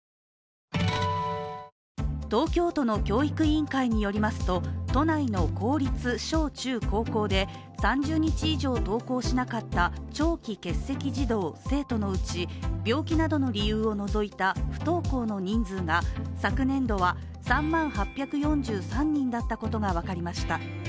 東京都の教育委員会によりますと都内の公立小・中・高校で３０日以上登校しなかった長期欠席児童・生徒のうち、病気などの理由を除いた不登校の人数が昨年度は３万８４３人だったことが分かりました。